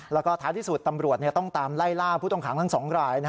แล้วก็ท้ายที่สุดตำรวจต้องตามไล่ล่าผู้ต้องขังทั้ง๒ราย